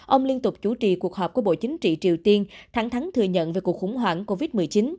ông liên tục chủ trì cuộc họp của bộ chính trị triều tiên thẳng thắng thừa nhận về cuộc khủng hoảng covid một mươi chín